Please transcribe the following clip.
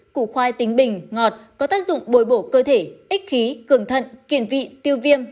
củ khoai tính bình ngọt có tác dụng bồi bổ cơ thể ích khí cường thận kiện vị tiêu viêm